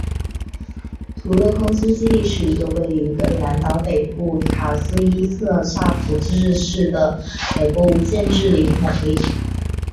图勒空军基地是一个为于格陵兰岛北部卡苏伊特萨普自治市的美国无建制领地飞地。